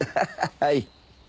はい。